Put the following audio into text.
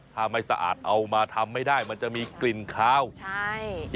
ถ้าไม่สะอาดเอามาทำไม่ได้มันจะมีกลิ่นคาวใช่